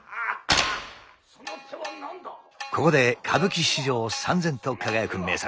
ここで歌舞伎史上さん然と輝く名作